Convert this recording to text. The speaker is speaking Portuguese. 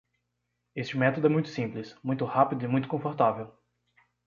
Este método é muito simples, muito rápido e muito confortável.